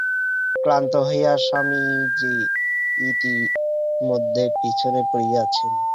ক্লান্ত হইয়া স্বামীজী ইতোমধ্যে পিছনে পড়িয়াছিলেন।